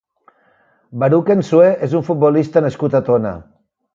Baruc Nsue és un futbolista nascut a Tona.